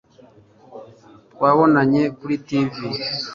Twababonye kuri TV